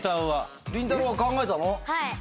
はい。